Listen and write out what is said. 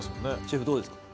シェフどうですか？